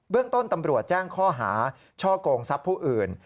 เรื่องต้นตำรวจแจ้งข้อหาช่อกงทรัพย์ผู้อื่น